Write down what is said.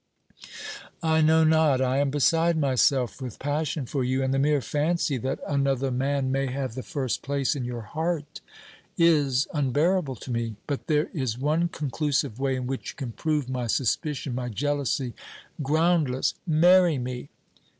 "I know not; I am beside myself with passion for you, and the mere fancy that another man may have the first place in your heart is unbearable to me! But there is one conclusive way in which you can prove my suspicion my jealousy groundless; marry me!"